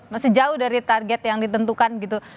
masih jauh dari target yang ditentukan gitu